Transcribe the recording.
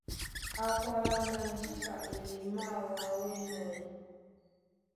Á kwálá ná :Njíka elemáā wǎ ó enɔ́ ē?